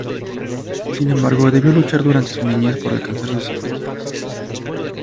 Sin embargo debió luchar durante su niñez por alcanzar sus objetivos.